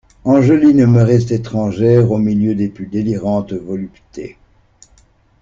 Angeline me reste étrangère au milieu des plus délirantes voluptés.